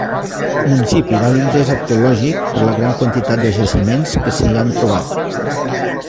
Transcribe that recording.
Municipi d'alt interés arqueològic per la gran quantitat de jaciments que s'hi han trobat.